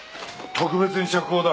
特別に釈放だ。